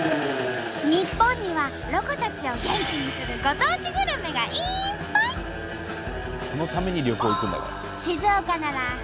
日本にはロコたちを元気にするご当地グルメがいっぱい！